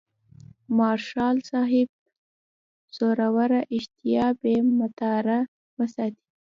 مارشال صاحب زوروره اشتها بې مهاره وساتي.